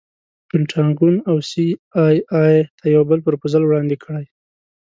پنټاګون او سي ای اې ته یو بل پروفوزل وړاندې کړي.